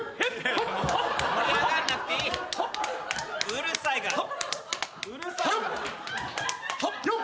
うるさいから。